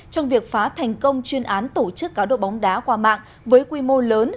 trong việc phá thành công chuyên án tổ chức cá độ bóng đá qua mạng với quy mô lớn